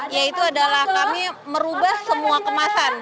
yaitu adalah kami merubah semua kemasan